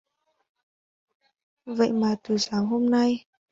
Vậy mà từ sáng ngày hôm nay